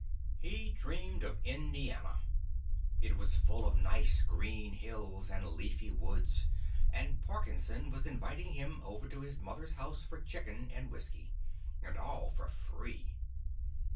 He dreamed of Indiana. It was full of nice, green hills and leafy woods, and Parkinson was inviting him over to his mother's house for chicken and whiskey. And all for free.